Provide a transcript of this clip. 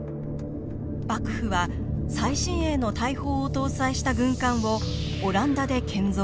幕府は最新鋭の大砲を搭載した軍艦をオランダで建造。